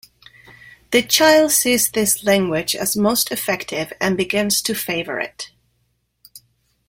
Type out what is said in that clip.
The child sees this language as most effective and begins to favor it.